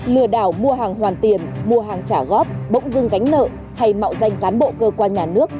lừa đảo mua hàng hoàn tiền mua hàng trả góp bỗng dưng gánh nợ hay mạo danh cán bộ cơ quan nhà nước